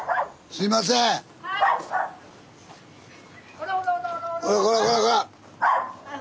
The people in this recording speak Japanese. こらこらこらこらこら。